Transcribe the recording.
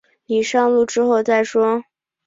你上路之后再说